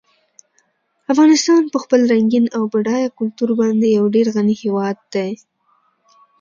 افغانستان په خپل رنګین او بډایه کلتور باندې یو ډېر غني هېواد دی.